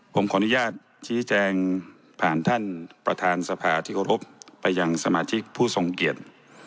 ผมขออนุญาตชี้แจงผ่านท่านประธานสภาที่เคารพไปยังสมาชิกผู้ทรงเกียรติ